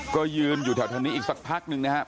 ก็ยืนอยู่แถวนี้อีกสักพักนึงนะครับ